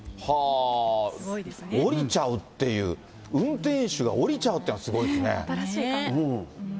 はあ、降りちゃうっていう、運転手が降りちゃうっていうのがすごいですね。